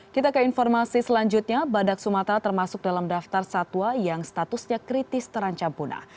kita ke informasi selanjutnya badak sumatera termasuk dalam daftar satwa yang statusnya kritis terancam punah